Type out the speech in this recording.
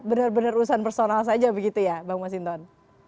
benar benar urusan personal saja begitu ya bang masinton